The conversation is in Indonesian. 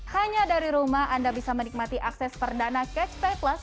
hanya dari rumah anda bisa menikmati akses perdana catch play plus